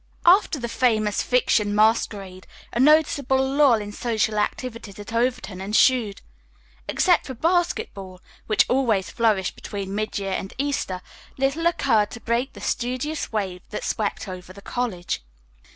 After the Famous Fiction masquerade a noticeable lull in social activities at Overton ensued. Except for basketball, which always flourished between midyear and Easter, little occurred to break the studious wave that swept over the college.